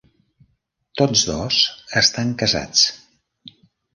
Tots dos estan casats.